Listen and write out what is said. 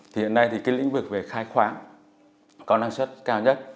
thì hiện nay lĩnh vực về khai khoáng có năng suất cao nhất